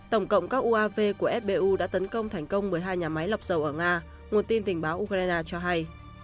tổng cộng các uav của fbu đã tấn công thành công một mươi hai nhà máy lọc dầu ở nga nguồn tin tình báo ukraine cho hay